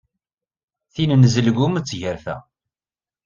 Tin n Zelgum d tgerfa.